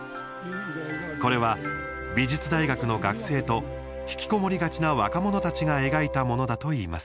これは、美術大学の学生とひきこもりがちな若者たちが描いたものだといいます。